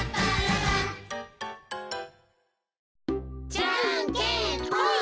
じゃんけんぽん！